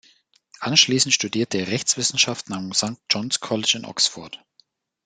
Anschließend studierte er Rechtswissenschaften am St John’s College in Oxford.